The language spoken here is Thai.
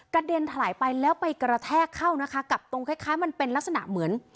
เด็นถลายไปแล้วไปกระแทกเข้านะคะกับตรงคล้ายคล้ายมันเป็นลักษณะเหมือน